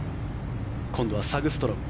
今度はサグストロム。